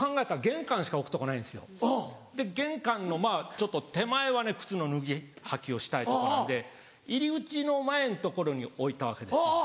で玄関の手前は靴の脱ぎ履きをしたいとこなんで入り口の前のところに置いたわけですよ。